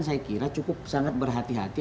saya kira cukup sangat berhati hati